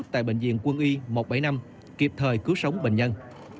tại bệnh viện quân y một trăm bảy mươi năm kịp thời cứu sống bệnh nhân